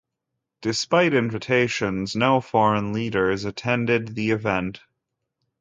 Despite invitations, no foreign leaders attended the event.